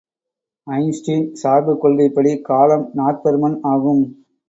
Einstein சார்புக் கொள்கைப்படி காலம் நாற்பருமன் ஆகும்.